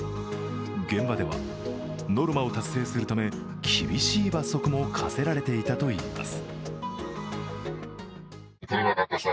現場では、ノルマを達成するため厳しい罰則も科せられていたといいます。